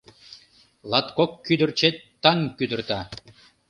Латкок кӱдырчет таҥ кӱдырта